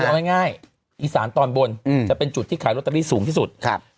คือเอาง่ายอีสานตอนบนจะเป็นจุดที่ขายรถตรีสูงที่สุด